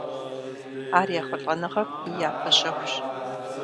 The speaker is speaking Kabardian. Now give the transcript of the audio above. Ар ехъулӀэныгъэм и япэ щэхущ.